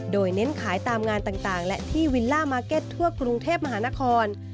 โดยเน้นขายตามงานต่างและที่วิลล่ามาร์เก็ตทั่วกรุงเทพมหานคร